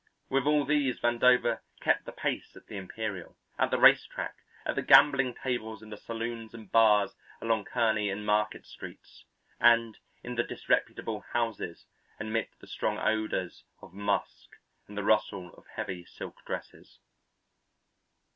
With all these Vandover kept the pace at the Imperial, at the race track, at the gambling tables in the saloons and bars along Kearney and Market streets, and in the disreputable houses amid the strong odours of musk and the rustle of heavy silk dresses.